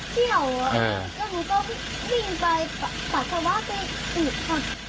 ก็วิ่งไปประสาวะที่อึดค่ะ